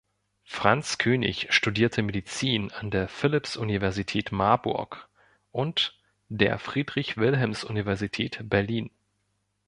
Franz König studierte Medizin an der Philipps-Universität Marburg und der Friedrich-Wilhelms-Universität Berlin.